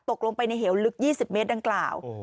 ตกลงไปในเหวลึก๒๐เมตรดังกล่าว